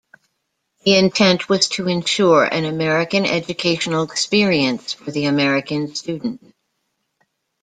The intent was to ensure an American educational experience for the American student.